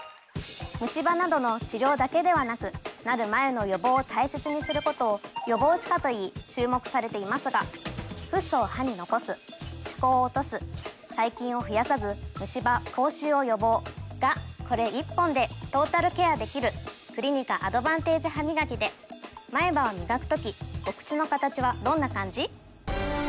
ムシ歯などの治療だけではなくなる前の予防を大切にすることを予防歯科と言い注目されていますがフッ素を歯に残す歯垢を落とす細菌を増やさずムシ歯口臭を予防がこれ１本でトータルケアできるクリニカアドバンテージハミガキで前歯をみがく時お口の形はどんな感じ？